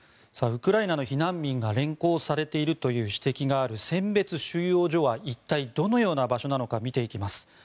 ウクライナの避難民が連行されているという指摘がある選別収容所は一体どのような場所なのか見ていきます。